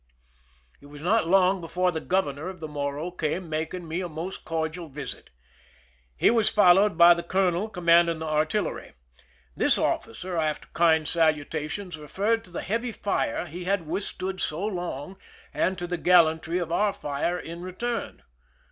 It was not long before the governor of the Morro came, making me a most cordial visit. He was fol lowed by the colonel commanding the artillery. This officer, after kind salutations, referred to the heavy fii^e we had withstood so long, and to the gallantry of our fire in return.